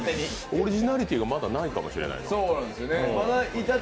オリジナリティーがまだないかもしれない。